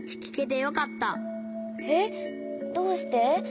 えっどうして？